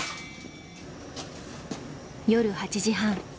夜８時半。